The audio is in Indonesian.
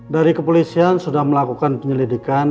dari kepolisian sudah melakukan penyelidikan